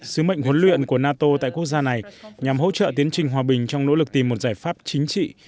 sứ mệnh huấn luyện của nato tại quốc gia này nhằm hỗ trợ tiến trình hòa bình trong nỗ lực tìm một giải pháp chính trị